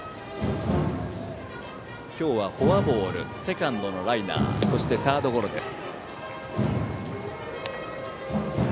今日はフォアボールセカンドライナーそしてサードゴロです。